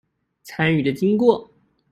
參與的經過